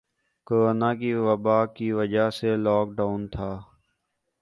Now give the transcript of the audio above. corona کی وبا کی وجہ سے لاک ڈاؤن تھا